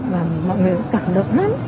và mọi người cũng cảm động lắm